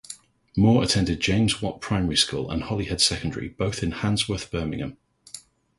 Moore attended James Watt Primary School and Holyhead Secondary, both in Handsworth, Birmingham.